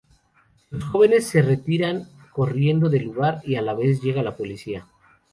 Los jóvenes se retiran corriendo del lugar y a la vez llega la policía.